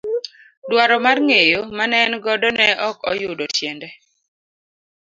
Dwaro mar ng'eyo mane en godo ne ok oyudo tiende.